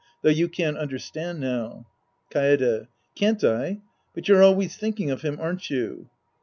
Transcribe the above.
Though you can't understand now. Kaede. Can't I ? But you're always tliinking of him, aren't you